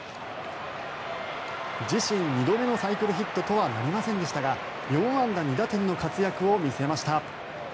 自身２度目のサイクルヒットとはなりませんでしたが４安打２打点の活躍を見せました。